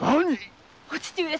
お父上様。